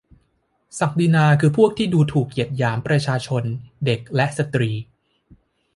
ศักดินาคือพวกที่ดูถูกเหยียดหยามประชาชน เด็กและสตรี ?